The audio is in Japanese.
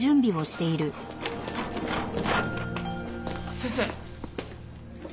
先生。